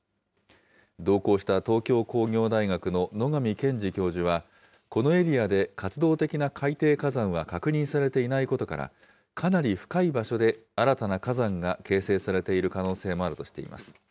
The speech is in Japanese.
同行した東京工業大学の野上健治教授は、このエリアで活動的な海底火山は確認されていないことから、かなり深い場所で新たな火山が形成されている可能性もあるとしています。